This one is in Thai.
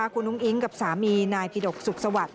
คุณอุ้งอิ๊งกับสามีนายปิดกสุขสวัสดิ